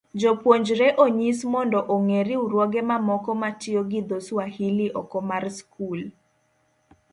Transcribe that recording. jopuonjre onyis mondo ong'e riwruoge mamoko matiyo gi dho Swahili oko mar skul.